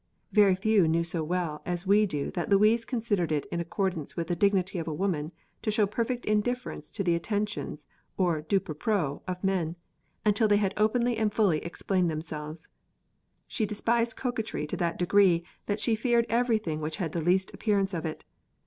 Very few knew so well as we do that Louise considered it in accordance with the dignity of a woman to show perfect indifference to the attentions or doux propos of men, until they had openly and fully explained themselves. She despised coquetry to that degree that she feared everything which had the least appearance of it.